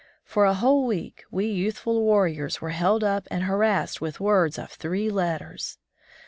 For a whole week we youthful warriors were held up and harassed with words of three letters.